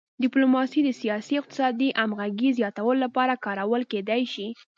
ډیپلوماسي د سیاسي او اقتصادي همغږۍ زیاتولو لپاره کارول کیدی شي